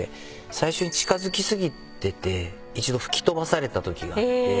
最初近づき過ぎてて一度吹き飛ばされたときがあって。